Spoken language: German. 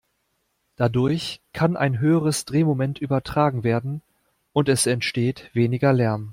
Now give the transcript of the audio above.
Dadurch kann ein höheres Drehmoment übertragen werden und es entsteht weniger Lärm.